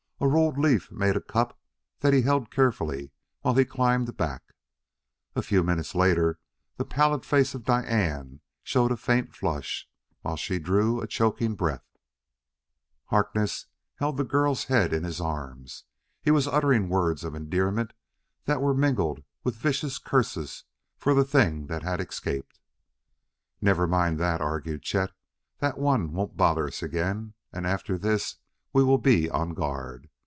A rolled leaf made a cup that he held carefully while he climbed back. A few minutes later the pallid face of Diane showed a faint flush, while she drew a choking breath. Harkness held the girl's head in his arms; he was uttering words of endearment that were mingled with vicious curses for the thing that had escaped. "Never mind that," argued Chet; "that one won't bother us again, and after this we will be on guard.